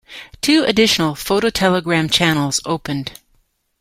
Two additional phototelegram channels opened.